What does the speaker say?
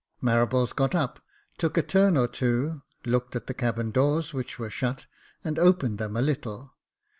Marables got up, took a turn or two, looked at the cabin doors, which were shut, and opened them a little.